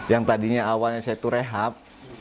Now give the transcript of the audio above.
yang tadinya awalnya saya tuh rehab